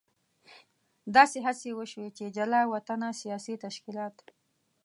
داسې هڅې وشوې چې جلا وطنه سیاسي تشکیلات.